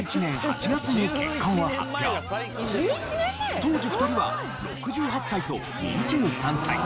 当時２人は６８歳と２３歳。